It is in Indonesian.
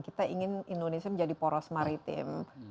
kita ingin indonesia menjadi poros maritim